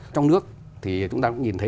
trong nước thì chúng ta cũng nhìn thấy